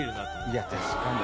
いや確かに。